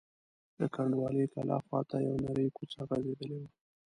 د کنډوالې کلا خواته یوه نرۍ کوڅه غځېدلې وه.